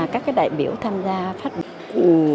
các đại biểu tham gia phát biểu